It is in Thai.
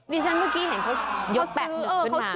นี่ฉันเมื่อกี้เห็นเขายก๘หนึ่งขึ้นมา